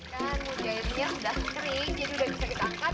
dan mujairnya sudah kering jadi udah bisa kita angkat